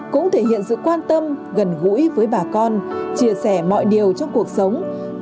cũng thể hiện sự quan tâm gần gũi với bà con chia sẻ mọi điều trong cuộc sống